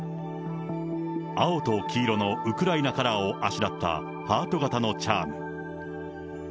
青と黄色のウクライナカラーをあしらったハート形のチャーム。